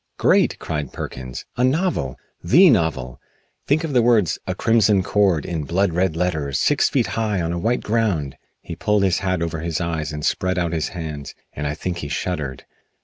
"Great!" cried Perkins. "A novel! The novel! Think of the words 'A Crimson Cord' in blood red letters six feet high on a white ground!" He pulled his hat over his eyes and spread out his hands, and I think he shuddered.